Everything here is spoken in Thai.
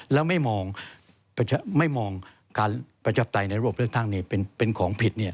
แล้วไม่มองการประชาธิปไตยในระบบเลือกตั้งเป็นของผิด